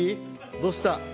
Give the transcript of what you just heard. どうした？